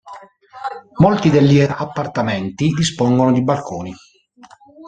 Molti degli appartamenti dispongono di balconi.